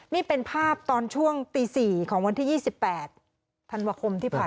นี่เป็นภาพตอนช่วงตี๔ของวันที่๒๘ธันวาคมที่ผ่านมา